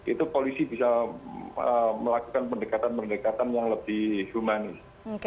itu polisi bisa melakukan pendekatan pendekatan yang lebih humanis